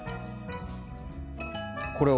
これを。